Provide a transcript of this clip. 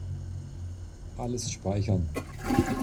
Alles speichern.